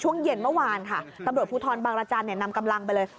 ช่วงเย็นเมื่อวานค่ะตำรวจภูทรบางรจันทร์นำกำลังไปเลย